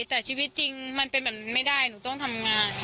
แต่ชีวิตจริงมันเป็นแบบนี้ไม่ได้หนูต้องทำงาน